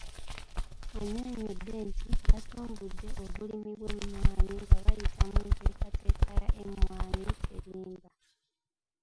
Annyonnyodde nti batumbudde obulimi bw'emmwanyi nga bayita mu nteekateeka ya Emmwanyi Terimba